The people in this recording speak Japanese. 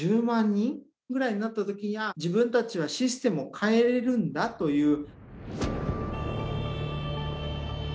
人ぐらいになった時にああ自分たちはシステムを変えれるんだという。